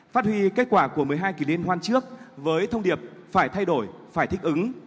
phát huy kết quả của một mươi hai kỳ liên hoan trước với thông điệp phải thay đổi phải thích ứng